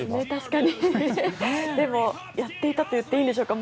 でも、やっていたと言っていいんでしょうか。